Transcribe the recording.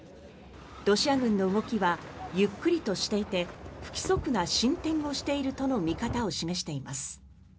ロシア軍の動きはゆっくりとしていて不規則な進展をしているとの見方を示しています。